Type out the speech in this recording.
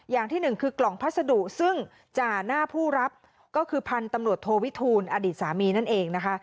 อย่างที่หนึ่งคือกล่องพัสดุซึ่งจ่าหน้าผู้รับก็คือพันธุ์ตำรวจโทวิทูลอดีตสามีนั่นเองนะคะ